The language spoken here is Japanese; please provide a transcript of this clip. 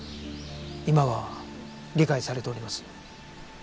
今は理解されております。